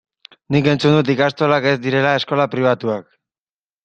Nik entzun dut ikastolak ez direla eskola pribatuak.